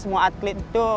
semua atlet itu